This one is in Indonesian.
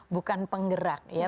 bukan penggerak ya